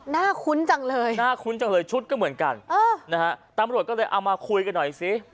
คุ้นจังเลยน่าคุ้นจังเลยชุดก็เหมือนกันนะฮะตำรวจก็เลยเอามาคุยกันหน่อยสิ